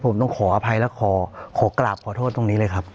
ผมต้องขออภัยและขอกราบขอโทษตรงนี้เลยครับ